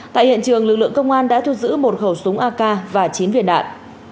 tại hiện trường lực lượng công an đã thu giữ một khẩu súng ak và chín viên đạn